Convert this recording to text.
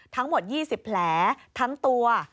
ทั้งหมด๒๐แผลทั้งตัว